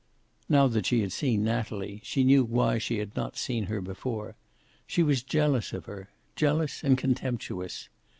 Now that she had seen Natalie, she knew why she had not seen her before. She was jealous of her. Jealous and contemptuous.